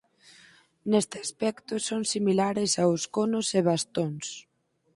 Neste aspecto son similares aos conos e bastóns.